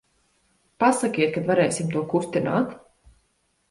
Pasakiet, kad varēsim to kustināt.